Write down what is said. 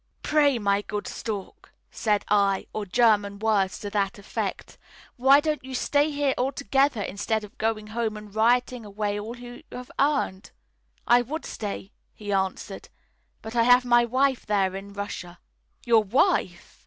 "Pray, my good stork," said I, or German words to that effect, "why don't you stay here altogether, instead of going home and rioting away all you have earned?" "I would stay," he answered, "but I have my wife there in Russia." "Your wife!"